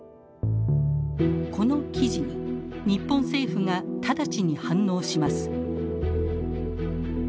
この記事に日本政府が直ちに反応します。